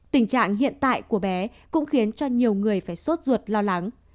tình trạng hiện tại của bé cũng khiến cho nhiều người phải sốt ruột lo lắng